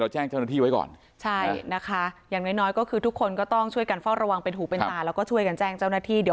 ใจนะคะอย่างน้อยก็คือทุกคนก็ต้องช่วยกันฟอกระวังเป็นหูเป็นตาแล้วก็ช่วยกันแจ้งเจ้านาที่